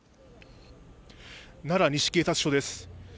奈良西警察署です。